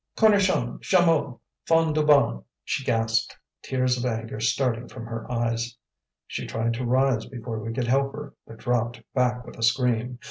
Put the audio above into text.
"Cornichon! Chameau! Fond du bain!" she gasped, tears of anger starting from her eyes. She tried to rise before we could help her, but dropped back with a scream.